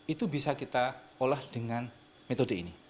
itu bisa kita olah dengan metode ini